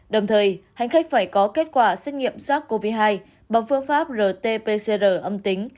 đồng thời hành khách phải có kết quả xét nghiệm sars cov hai bằng phương pháp rt pcr âm tính